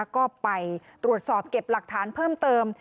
ก็ไปตรวจสอบเก็บหลักฐานเพิ่มเติม